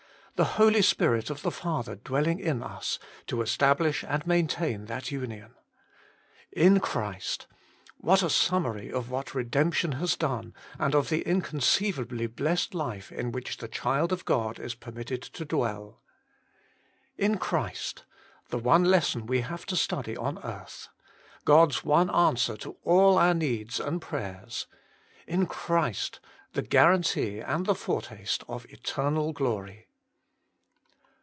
the Holy Spirit of the Father dwelling in us to establish and main tain that union ! IN CHRIST ! what a summary of what redemption has done, and of the inconceivably blessed life in which the child of God is permitted to dwell. IN CHRIST ! the one lesson we have to study on earth. God's one answer to all our needs and prayers. IN CHRIST ! the guarantee and the foretaste of eternal glory.